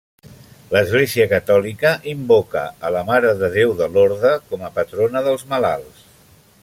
L'Església catòlica invoca a la Mare de Déu de Lorda com a patrona dels malalts.